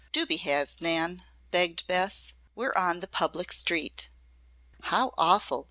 "Do behave, Nan," begged Bess. "We're on the public street." "How awful!"